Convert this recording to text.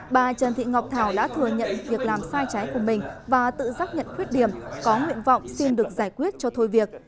bà trần thị ngọc thảo đã thừa nhận việc làm sai trái của mình và tự giác nhận khuyết điểm có nguyện vọng xin được giải quyết cho thôi việc